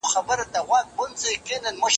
که شعور وي، نو سيالي به تل په ګټه وي.